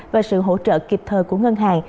và sự hỗ trợ kịp thời của ngân hàng